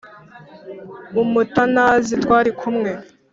Umutanazi twari kumwe